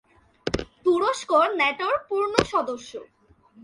তুরস্ক ন্যাটোর পূর্ণ সদস্য।